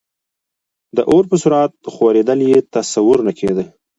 د اور په سرعت خورېدل یې تصور نه کېده.